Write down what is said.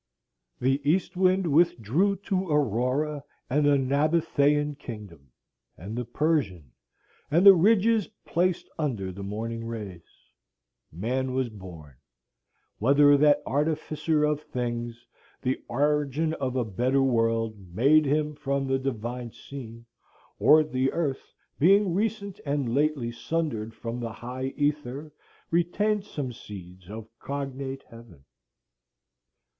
"The East Wind withdrew to Aurora and the Nabathæan kingdom, And the Persian, and the ridges placed under the morning rays Man was born. Whether that Artificer of things, The origin of a better world, made him from the divine seed; Or the earth, being recent and lately sundered from the high Ether, retained some seeds of cognate heaven."